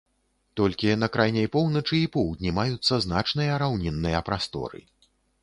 Толькі на крайняй поўначы і поўдні маюцца значныя раўнінныя прасторы.